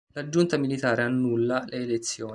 La giunta militare annulla le elezioni.